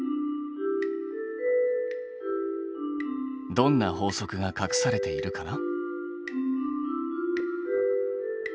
どんな法則がかくされているかな？